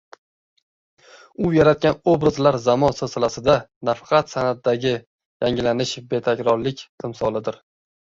U yaratgan obrazlar zamon silsilasida nafaqat san’atdagi yangilanish, betakrorlik timsolidir